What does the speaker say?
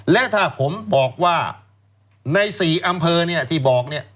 และถ้าผมบอกว่าใน๔อำเภอเนี่ยที่บอกเนี่ย